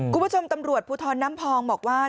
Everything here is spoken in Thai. คุณผู้ชมตำรวจภูทรน้ำพองบอกว่า